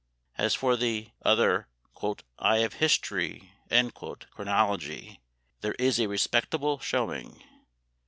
As for the other "eye of history," chronology, there is a respectable showing.